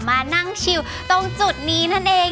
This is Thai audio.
มานั่งชิวตรงจุดนี้นั่นเอง